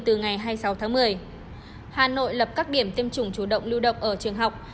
từ ngày hai mươi sáu tháng một mươi hà nội lập các điểm tiêm chủng chủ động lưu động ở trường học